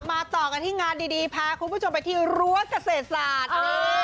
ต่อกันที่งานดีพาคุณผู้ชมไปที่รั้วเกษตรศาสตร์